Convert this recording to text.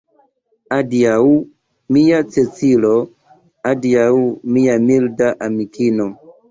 Adiaŭ, mia Cecilo, adiaŭ mia milda amikino.